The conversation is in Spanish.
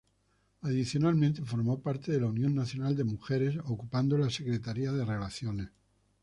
Adicionalmente formó parte de la Unión Nacional de Mujeres, ocupando la Secretaría de Relaciones.